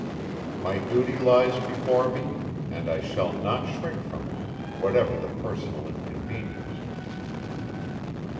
My duty lies before me, and I shall not shrink from it, whatever the personal inconvenience."